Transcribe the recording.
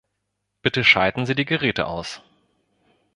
Bitte schalten Sie die Geräte aus!